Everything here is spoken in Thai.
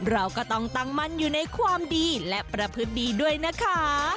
เราก็ต้องตั้งมั่นอยู่ในความดีและประพฤติดีด้วยนะคะ